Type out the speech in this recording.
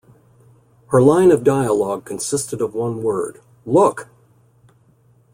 Her line of dialogue consisted of one word, Look!